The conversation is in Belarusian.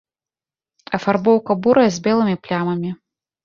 Афарбоўка бурая з белымі плямамі.